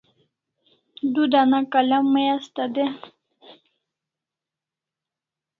Du dana kalam mai asta de